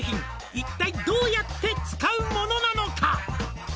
「一体どうやって使うものなのか」